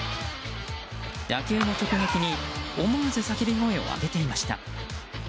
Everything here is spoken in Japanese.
打球の直撃に思わず叫び声を上げていました。